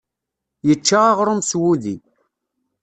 Yečča aɣrum s wudi.